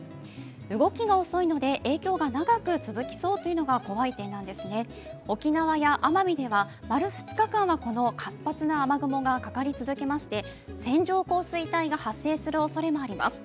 動きが遅いので影響が長く続きそうというのが怖い点なんですね、沖縄や奄美では丸２日間はこの活発な雨雲がかかり続けまして線状降水帯が発生するおそれもあります。